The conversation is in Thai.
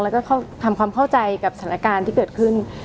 แล้วก็ทำความเข้าใจกับสถานการณ์ที่เกิดขึ้น